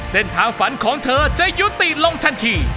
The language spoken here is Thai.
เส้นทางฝันของเธอจะยุติลงทันที